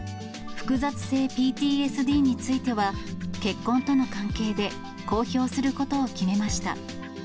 複雑性ＰＴＳＤについては、結婚との関係で公表することを決めました。